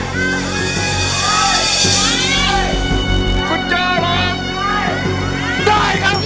คุณโจ้ร้อง